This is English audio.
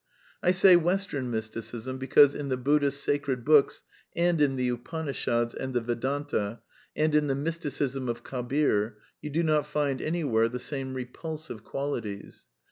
I say Western Mysticism, because in the Buddhist Sacred Books and in the Upanishads and the Vedanta, and^ in the Mysticism of Kabir, you do not find anywhere the same repulsive qualities.